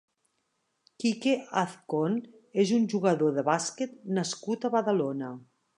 Quique Azcón és un jugador de bàsquet nascut a Badalona.